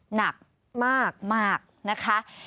หนักมากนะคะ